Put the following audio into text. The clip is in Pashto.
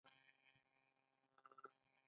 بلغم مو څه رنګ لري؟